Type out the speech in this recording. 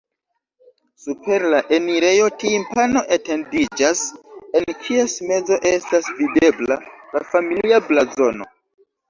Super la enirejo timpano etendiĝas, en kies mezo estas videbla la familia blazono.